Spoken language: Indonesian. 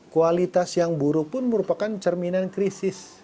kualitas yang buruk pun merupakan cerminan krisis